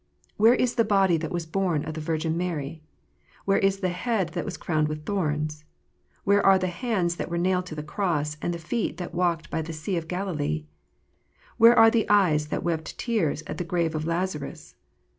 Where is the body that was born of the Virgin Mary? Where is the head that was crowned with thorns? Where are the hands that were nailed to the cross, and the feet that walked by the sea of Galilee 1 Where are the eyes that wept tears at the grave of Lazarus